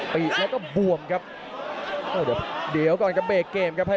กระโดยสิ้งเล็กนี่ออกกันขาสันเหมือนกันครับ